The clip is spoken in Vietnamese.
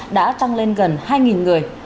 đã tăng lên gần hai người